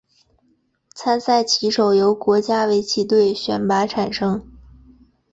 参赛棋手由国家围棋队选拔产生。